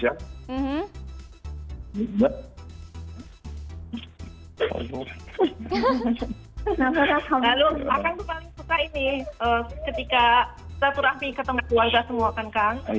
iya makan bersama keluarga yang ditemuin yang pas halal dihalal itu banyak banget gitu ya kang